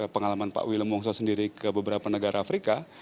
pengalaman pak william wongso sendiri ke beberapa negara afrika